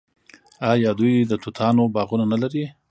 آیا دوی د توتانو باغونه نلري؟